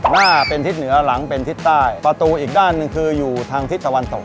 หน้าเป็นทิศเหนือหลังเป็นทิศใต้ประตูอีกด้านหนึ่งคืออยู่ทางทิศตะวันตก